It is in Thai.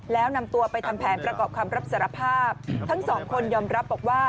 แล้วนำตัวไปทำแผนประกอบคำรับสารภาพทั้งสองคนยอมรับบอกว่า